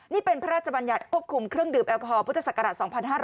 นี่เป็นพระราชบัญญัติควบคุมเครื่องดื่มแอลกอฮอลพุทธศักราช๒๕๕๙